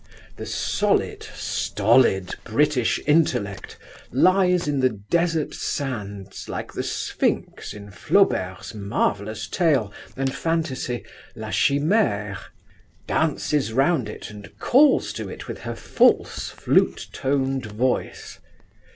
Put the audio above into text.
The solid stolid British intellect lies in the desert sands like the Sphinx in Flaubert's marvellous tale, and fantasy, La Chimère, dances round it, and calls to it with her false, flute toned voice.